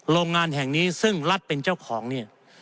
โรงงานแห่งนี้ซึ่งรัฐเป็นเจ้าของเนี่ย